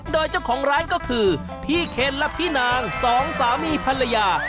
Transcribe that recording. โดยเจ้าของร้านก็คือพี่เคนและพี่นางสองสามีภรรยา